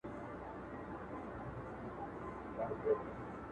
خو په داسې انداز چې